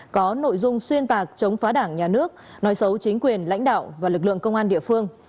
có nội dung xuyên tạc chống phá đảng nhà nước nói xấu chính quyền lãnh đạo và lực lượng công an địa phương